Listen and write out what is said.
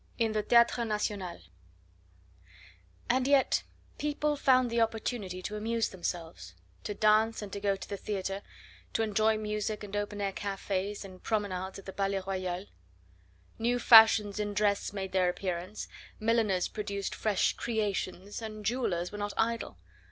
IN THE THEATRE NATIONAL And yet people found the opportunity to amuse themselves, to dance and to go to the theatre, to enjoy music and open air cafes and promenades in the Palais Royal. New fashions in dress made their appearance, milliners produced fresh "creations," and jewellers were not idle.